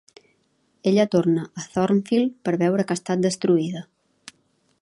Ella torna a Thornfield per veure que ha estat destruïda.